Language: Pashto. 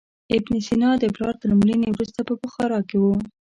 ابن سینا د پلار تر مړینې وروسته په بخارا کې و.